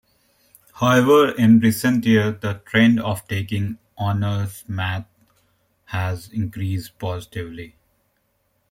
However, in recent years the trend of taking honours Maths has increased positively.